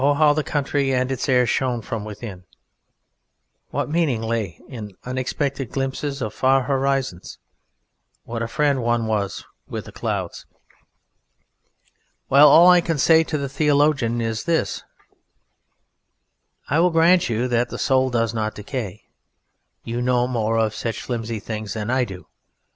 How the County and its Air shone from within; what meaning lay in unexpected glimpses of far horizons; what a friend one was with the clouds! Well, all I can say to the Theologians is this: "I will grant you that the Soul does not decay: you know more of such flimsy things than I do.